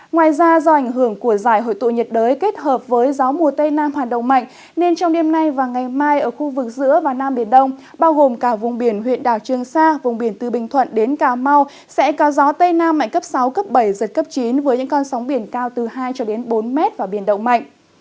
ngoài ra do ảnh hưởng của giải hội tụ nhiệt đới kết hợp với gió mùa tây nam hoạt động mạnh nên trong đêm nay và ngày mai ở khu vực giữa và nam biển đông bao gồm cả vùng biển huyện đảo trương sa vùng biển từ bình thuận đến cà mau sẽ có gió tây nam mạnh cấp sáu cấp bảy giật cấp chín với những con sóng biển cao từ hai cho đến bốn mét và biển động mạnh